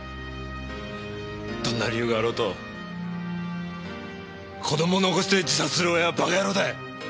どんな理由があろうと子供を残して自殺する親はバカ野郎だよ！